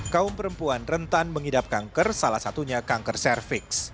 kaum perempuan rentan mengidap kanker salah satunya kanker cervix